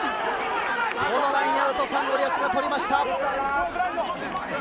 このラインアウト、サンゴリアスが取りました。